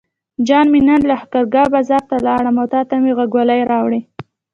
جان مې نن لښکرګاه بازار ته لاړم او تاته مې غوږوالۍ راوړې.